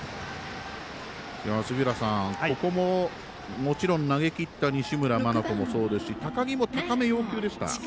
杉浦さん、ここももちろん投げきった西村真人もそうですし高木も高め要求でした。